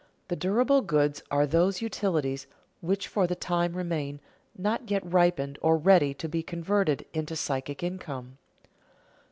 The durable goods are those utilities which for the time remain, not yet ripened or ready to be converted into psychic income.